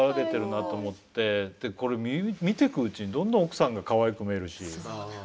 でこれ見てくうちにどんどん奥さんがかわいく見えるし。